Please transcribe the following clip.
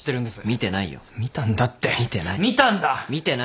見てないよ。